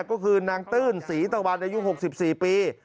ก็คือนางตื้นศรีตะวันอายุ๖๔ปี